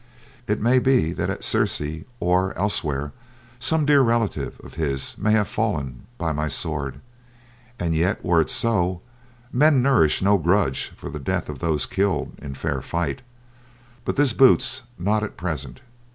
It may be that at Cressy or elsewhere some dear relative of his may have fallen by my sword; and yet were it so, men nourish no grudge for the death of those killed in fair fight. But this boots not at present.